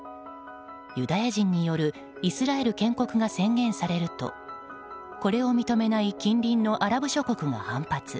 ユダヤ人によるイスラエル建国が宣言されるとこれを認めない近隣のアラブ諸国が反発。